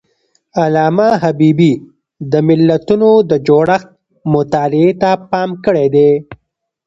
علامه حبيبي د ملتونو د جوړښت مطالعې ته پام کړی دی.